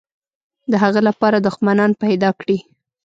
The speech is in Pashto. د هغه لپاره دښمنان پیدا کړي.